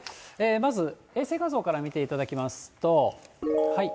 まず、衛星画像から見ていただきますと。